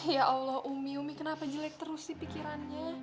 ya allah umi umi kenapa jelek terus sih pikirannya